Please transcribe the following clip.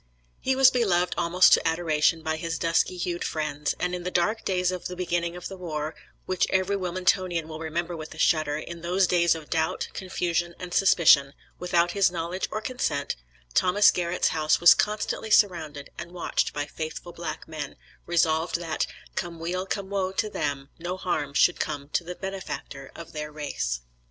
He was beloved almost to adoration by his dusky hued friends, and in the dark days of the beginning of the war, which every Wilmingtonian will remember with a shudder, in those days of doubt, confusion, and suspicion, without his knowledge or consent, Thomas Garrett's house was constantly surrounded and watched by faithful black men, resolved that, come weal come woe to them, no harm should come to the benefactor of their race.